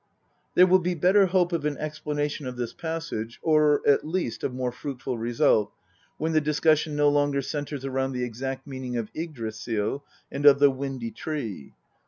* There will be better hope of an explanation of this passage, or at least of more fruitful .result, when the discussion no longer centres around the exact meaning of Yggdrasil, and of the " windy tree."